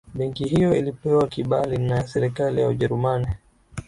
benki hiyo ilipewa kibali na serikali ya ujerumani